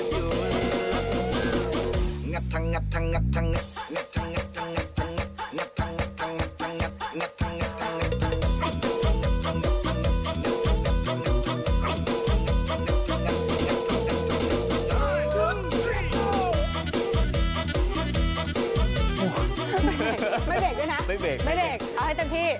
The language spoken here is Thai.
ไม่เบกเอาให้เต็มที่